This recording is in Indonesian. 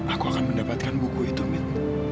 aku akan mendapatkan buku itu mit